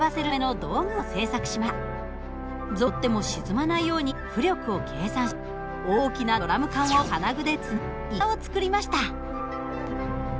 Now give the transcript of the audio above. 象が乗っても沈まないように浮力を計算し大きなドラム缶を金具でつなぎいかだを作りました。